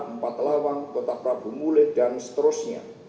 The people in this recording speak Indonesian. empat lawan kota prabu mule dan seterusnya